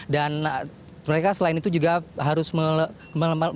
dan mereka selain itu juga harus melembabkan